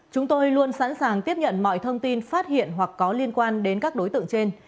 chúng tôi luôn sẵn sàng tiếp nhận mọi thông tin phát hiện hoặc có liên quan đến các đối tượng trên